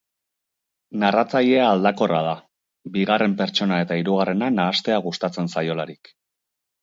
Narratzailea aldakorra da, bigarren pertsona eta hirugarrena nahastea gustatzen zaiolarik.